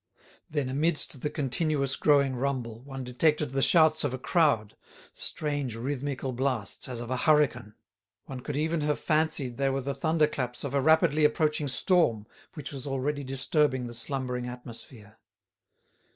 Then amidst the continuous growing rumble one detected the shouts of a crowd, strange rhythmical blasts as of a hurricane. One could even have fancied they were the thunderclaps of a rapidly approaching storm which was already disturbing the slumbering atmosphere.